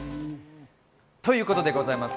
ということです。